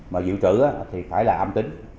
mà dự trữ thì phải là âm tính